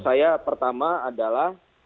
saya pertama adalah